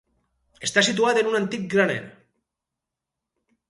Està situat en un antic graner.